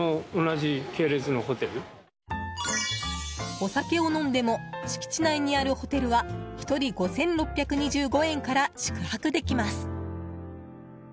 お酒を飲んでも敷地内にあるホテルは１人５６２５円から宿泊できます。